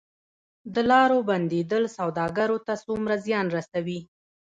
د لارو بندیدل سوداګرو ته څومره زیان رسوي؟